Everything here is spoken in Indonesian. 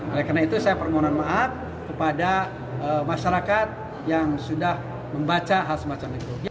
oleh karena itu saya permohonan maaf kepada masyarakat yang sudah membaca hal semacam itu